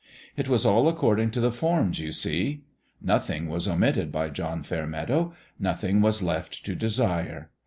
It was all according to the forms, you see. Nothing was omitted by John Fairmeadow : nothing was left to desire.